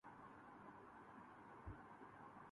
عریاں ہیں ترے چمن کی حوریں